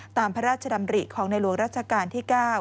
ตามพระราชดำริของในหลวงรัชกาลที่๙